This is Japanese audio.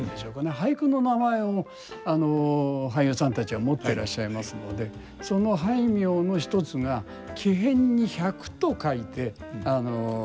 俳句の名前を俳優さんたちは持ってらっしゃいますのでその俳名の一つが木偏に百と書いて栢。